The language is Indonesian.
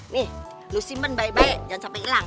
nih lo simpen baik dua jangan sampe ilang